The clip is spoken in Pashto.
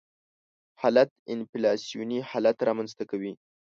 حالت انفلاسیوني حالت رامنځته کوي.